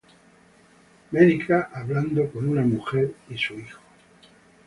Médica hablando con una mujer y su hijo